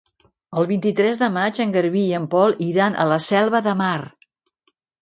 El vint-i-tres de maig en Garbí i en Pol iran a la Selva de Mar.